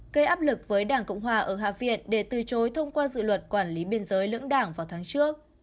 gây áp lực với đảng cộng hòa ở hạ viện để từ chối thông qua dự luật quản lý biên giới lưỡng đảng vào tháng trước